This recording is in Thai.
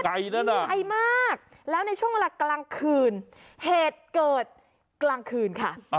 นั่นน่ะไกลมากแล้วในช่วงเวลากลางคืนเหตุเกิดกลางคืนค่ะ